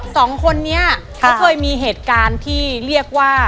สองคนนี้เขาเคยมีเหตุการณ์ที่เรียกว่า